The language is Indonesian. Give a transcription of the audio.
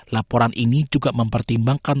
laporan ini juga memperkenalkan